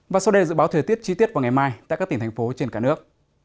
và sau đây là dự báo thời tiết chi tiết vào ngày mai tại các tỉnh thành phố trên cả nước